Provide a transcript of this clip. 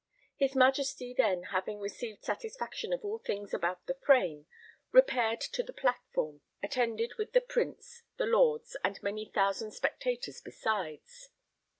His Majesty then, having received satisfaction of all things about the frame, repaired to the platform, attended with the Prince, the Lords, and many thousand spectators besides.